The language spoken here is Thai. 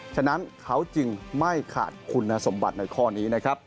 ฉะนั้นเขาจึงไม่ขาดคุณสมบัติในข้อนี้นะครับ